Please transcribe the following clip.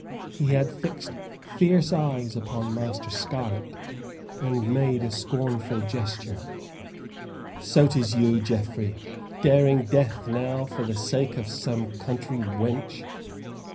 He had fixed fierce eyes upon Master Scarlett, and made a scornful gesture. "So 'tis you, Geoffrey, daring death now for the sake of some country wench?